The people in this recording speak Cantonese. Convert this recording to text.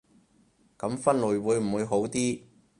噉分類會唔會好啲